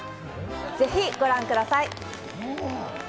ぜひご覧ください。